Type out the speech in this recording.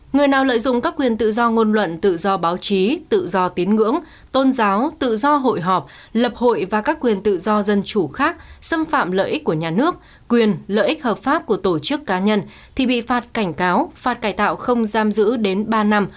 người nào lợi dụng các quyền tự do ngôn luận tự do báo chí tự do tín ngưỡng tôn giáo tự do hội họp lập hội và các quyền tự do dân chủ khác xâm phạm lợi ích của nhà nước quyền lợi ích hợp pháp của tổ chức cá nhân thì bị phạt cảnh cáo phạt cải tạo không giam giữ đến ba năm